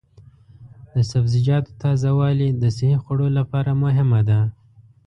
د سبزیجاتو تازه والي د صحي خوړو لپاره مهمه ده.